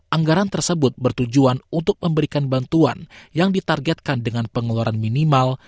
anggaran tersebut bertujuan untuk memberikan bantuan yang ditargetkan dengan pengeluaran minimal